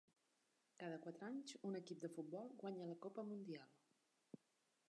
Cada quatre anys, un equip de futbol guanya la copa mundial.